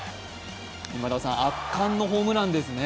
今田さん、圧巻のホームランですね？